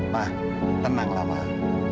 mah tenanglah mah